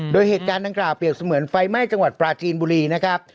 โดยเหตุการณ์ดังกล่าวเปรียบเสมือนไฟไหม้จังหวัดปราจีนบุรีนะครับ